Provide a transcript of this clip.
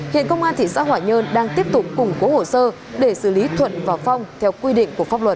hiện công an thị xã hòa nhơn đang tiếp tục củng cố hồ sơ để xử lý thuận và phong theo quy định của pháp luật